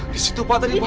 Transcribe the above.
di situ pak tadi pak